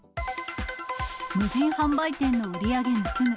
無人販売店の売り上げ盗む。